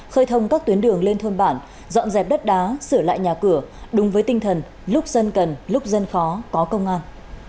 khơi thông các tuyến đường lên thôn bản dọn dẹp đất đá sửa lại nhà cửa đúng với tinh thần lúc dân cần lúc dân khó có công an